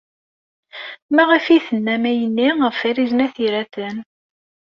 Maɣef ay d-tennam ayenni ɣef Farid n At Yiraten?